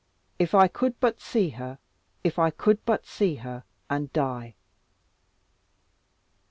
If I could but see her, if I could but see her, and die!